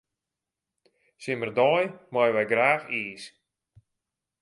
Simmerdei meie wy graach iis.